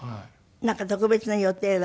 なんか特別な予定は？